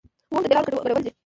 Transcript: اووم ددې لارو ګډول دي.